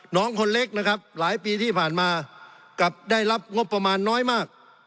น้องคนเล็กนะครับหลายปีที่ผ่านมากลับได้รับงบประมาณน้อยมาก